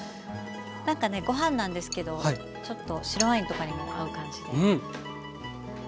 なんかねご飯なんですけどちょっと白ワインとかにも合う感じで。